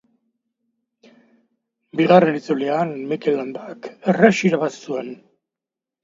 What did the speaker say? Bigarren itzulian argituko da nor nahi duten brasildarrek presidente izateko.